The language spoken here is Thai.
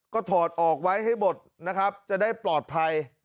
ก็ถอดออกไว้ให้หมดนะครับจะได้ปลอดภัย